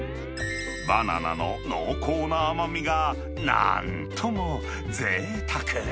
バナナの濃厚な甘みがなんともぜいたく。